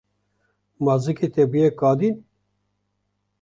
Ma zikê te bûye kadîn.